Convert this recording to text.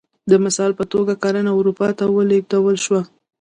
د مثال په توګه کرنه اروپا ته ولېږدول شوه